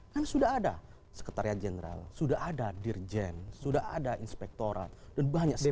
kan sudah ada sekretariat jeneral sudah ada dirjen sudah ada inspektoral dan banyak sekali